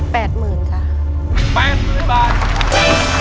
แปดหมื่นค่ะแปดหมื่นบาท